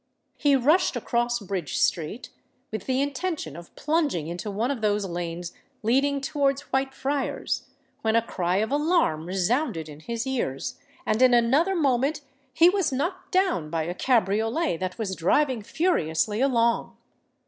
He rushed across Bridge Street, with the intention of plunging into one of those lanes leading towards Whitefriars; when a cry of alarm resounded in his ears—and in another moment he was knocked down by a cabriolet that was driving furiously along.